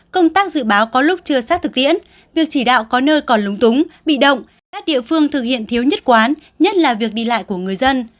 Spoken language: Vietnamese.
công tác dự báo có lúc chưa sát thực tiễn việc chỉ đạo có nơi còn lúng túng bị động các địa phương thực hiện thiếu nhất quán nhất là việc đi lại của người dân